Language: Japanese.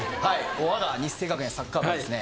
わが日生学園サッカー部はですね